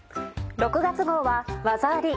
６月号は「ワザあり！